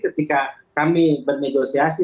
ketika kami bernegosiasi